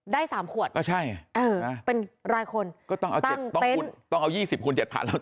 ได้๓ขวดเป็นรายคนตั้งเต็นต์ก็ใช่ต้องเอา๒๐คูณ๗๐๐๐แล้วต่อ